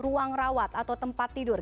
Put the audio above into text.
ruang rawat atau tempat tidur